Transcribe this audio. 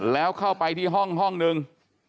แล้วเข้าไปที่ห้องห้องนึง